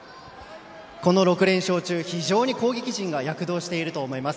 この６連勝中、非常に攻撃陣が躍動していると思います。